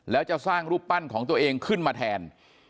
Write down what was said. แล้วจะสร้างรูปปั้นของตัวเองขึ้นมาแทน